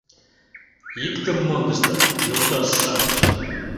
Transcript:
— Иктым мондышда, йолташ-шамыч!